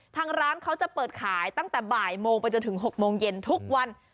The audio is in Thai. ทางร้านเขาจะเปิดขายตั้งแต่บ่ายโมงไปจนถึง๖โมงเย็นทุกวัน